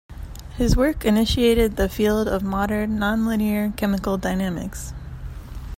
His work initiated the field of modern nonlinear chemical dynamics.